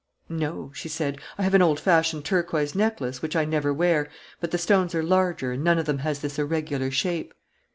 "No," she said. "I have an old fashioned turquoise necklace, which I never wear, but the stones are larger and none of them has this irregular shape."